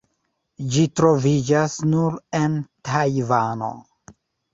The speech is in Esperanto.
Ĝi troviĝas nur en Tajvano.